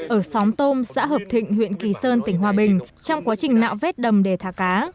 ở xóm tôm xã hợp thịnh huyện kỳ sơn tỉnh hòa bình trong quá trình nạo vét đầm để thả cá